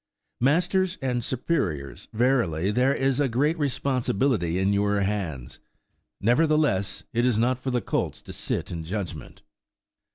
–Masters and superiors, verily, there is a great responsibility in your hands! Nevertheless, it is not for the colts to sit in judgment.